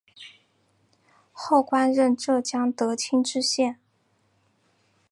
后官任浙江德清知县。